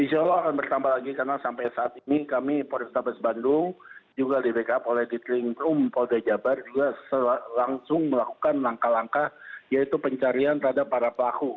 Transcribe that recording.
insya allah akan bertambah lagi karena sampai saat ini kami polrestabes bandung juga di backup oleh ditlingkum polda jabar juga langsung melakukan langkah langkah yaitu pencarian terhadap para pelaku